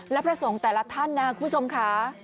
และพระสงฆ์แต่ละท่านนะคุณผู้ชมค่ะ